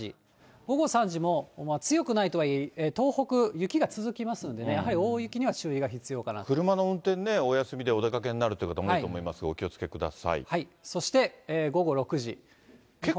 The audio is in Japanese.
午後３時も強くないとはいえ、東北、雪が続きますんでね、車の運転ね、お休みでお出かけになるという方も多いと思いますが、お気をつけそして午後６時。